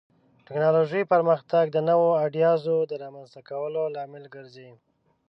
د ټکنالوژۍ پرمختګ د نوو ایډیازو د رامنځته کولو لامل ګرځي.